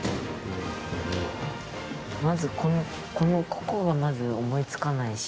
まずこのこのここがまず思い付かないし。